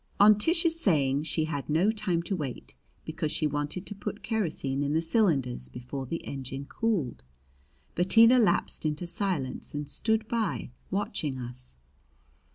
On Tish's saying she had no time to wait, because she wanted to put kerosene in the cylinders before the engine cooled, Bettina lapsed into silence and stood by watching us.